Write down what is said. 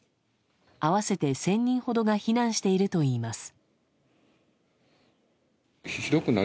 合わせて１０００人ほどが避難しているといいます。